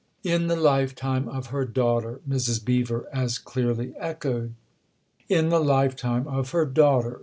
" In the lifetime of her daughter," Mrs. Beever as clearly echoed. " In the lifetime of her daughter